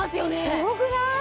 すごくない？